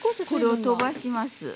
これをとばします。